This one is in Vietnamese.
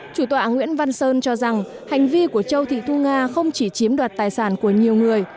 chủ tọa nguyễn văn sơn cho rằng hành vi của châu thị thu nga không chỉ chiếm đoạt tài sản của nhiều người